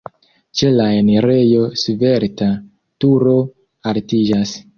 Ĉe la enirejo svelta turo altiĝas.